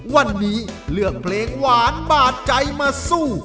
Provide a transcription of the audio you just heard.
วันนี้เลือกเพลงหวานบาดใจมาสู้